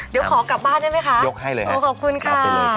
เดี๋ยวขอกลับบ้านได้ไหมค่ะโอ้ขอบคุณค่ะพาไปเลยครับภาพเซิร์ทไพร์